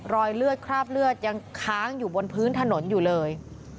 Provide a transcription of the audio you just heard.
รอยเลือดคราบเลือดยังค้างอยู่บนพื้นถนนอยู่เลย